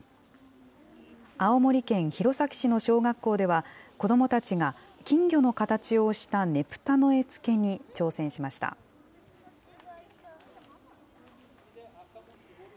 青森県弘前市の小学校では、子どもたちが金魚の形をしたねぷたの絵付けに挑戦しました。